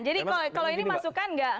jadi kalau ini masukkan